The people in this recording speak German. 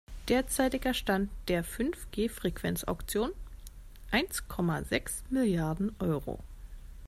Derzeitiger Stand der Fünf-G-Frequenzauktion: Eins Komma sechs Milliarden Euro.